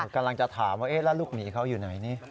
กำลังจะถามว่าแล้วลูกหมีเขาอยู่ไหนนี่